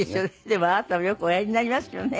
でもあなたもよくおやりになりますよね